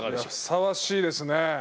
ふさわしいですね。